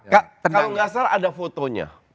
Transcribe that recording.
kalau nggak salah ada fotonya